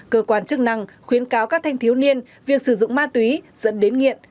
cơ quan chức năng khuyến cáo các thanh thiếu niên việc sử dụng ma túy dẫn đến nghiện